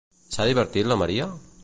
S'ha divertit la Maria?